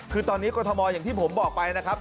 คือตอนนี้กรทมอย่างที่ผมบอกไปนะครับ